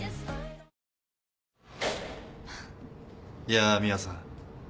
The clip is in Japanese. やあ美羽さん。